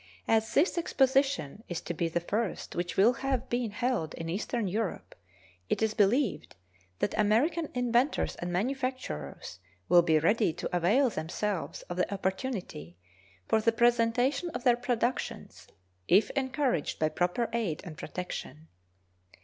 As this exposition is to be the first which will have been held in eastern Europe, it is believed that American inventors and manufacturers will be ready to avail themselves of the opportunity for the presentation of their productions if encouraged by proper aid and protection.